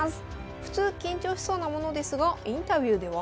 普通緊張しそうなものですがインタビューでは？